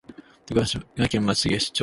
徳島県松茂町